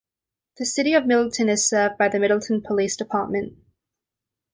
The city of Middleton is served by the Middleton Police Department.